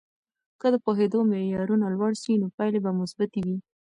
که د پوهیدو معیارونه لوړ سي، نو پایلې به مثبتې وي.